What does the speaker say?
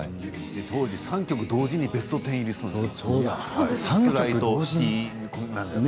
当時３曲同時でベスト１０に入っていました。